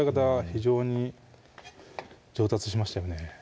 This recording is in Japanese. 非常に上達しましたよね